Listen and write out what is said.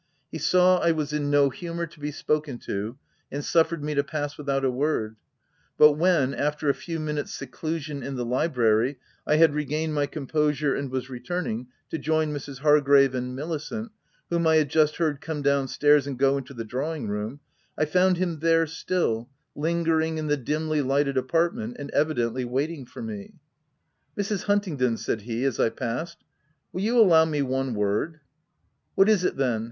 He saw I was in no hu mour to be spoken to, and suffered me to pass without a word ; but when, after a few minutes' seclusion in the library, I had regained my composure, and was returning, to join Mrs. Hargrave and Milicent, whom I had just heard come down stairs and go into the drawing room, — I found him there still, lingering in the dimly lighted apartment, and evidently waiting for me. " Mrs. Huntingdon," said he as I passed, " will you allow me one word?" " What is it then